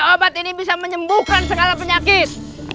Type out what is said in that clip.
obat ini bisa menyembuhkan segala penyakit